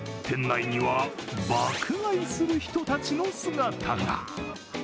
店内には爆買いする人たちの姿が。